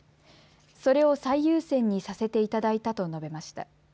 それを最優先にさせていただいたと述べました。